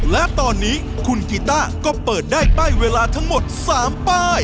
และตอนนี้คุณกีต้าก็เปิดได้ป้ายเวลาทั้งหมด๓ป้าย